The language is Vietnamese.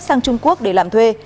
sang trung quốc để làm thuê